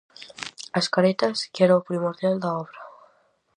As caretas, que era o primordial da obra.